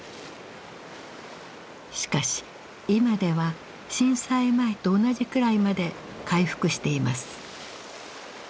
しかし今では震災前と同じくらいまで回復しています。